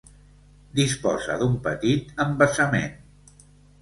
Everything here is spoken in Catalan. Disposa d'un petit embassament.